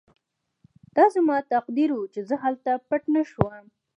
دا زما تقدیر و چې زه هلته پټ نه شوم